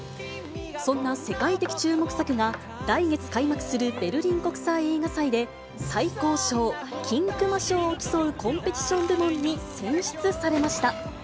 そんな世界的注目作が、来月開幕するベルリン国際映画祭で、最高賞、金熊賞を競うコンペティション部門に選出されました。